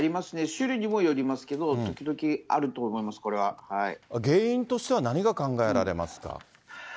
種類にもよりますけれども、時々原因としては、何が考えられますか。